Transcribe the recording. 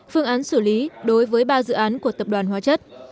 phương án xử lý đối với ba dự án của tập đoàn hóa chất